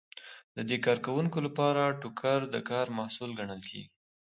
د دې کارکوونکو لپاره ټوکر د کار محصول ګڼل کیږي.